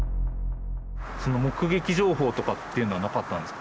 目撃情報とかっていうのはなかったんですか？